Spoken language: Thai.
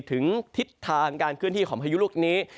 ทิศทางการเคลื่อนที่ของพายุลูกนี้